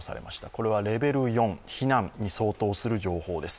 これはレベル４、避難に相当する情報です。